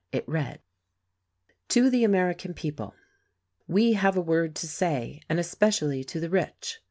It read : TO THE AMERICAN PEOPLE. "We have a word to say, and especially to the rich.